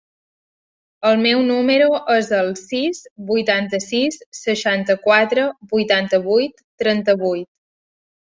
El meu número es el sis, vuitanta-sis, seixanta-quatre, vuitanta-vuit, trenta-vuit.